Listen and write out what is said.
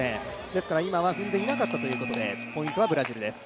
ですから今は踏んでいなかったということで、ポイントはブラジルです。